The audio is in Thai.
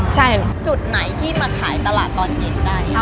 ใช่จุดไหนที่มาขายตลาดตอนเย็นได้